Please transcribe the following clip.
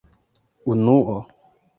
unuo